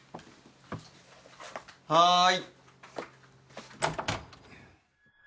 はい。